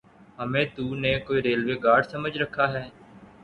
ہمیں تو نے کوئی ریلوے گارڈ سمجھ رکھا ہے؟